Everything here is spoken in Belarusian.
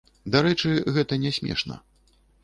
Дарэчы, гэта не смешна.